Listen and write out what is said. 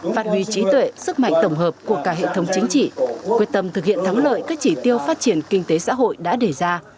phát huy trí tuệ sức mạnh tổng hợp của cả hệ thống chính trị quyết tâm thực hiện thắng lợi các chỉ tiêu phát triển kinh tế xã hội đã đề ra